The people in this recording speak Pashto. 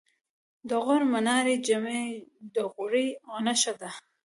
د غور منارې جمعې د غوري نښه ده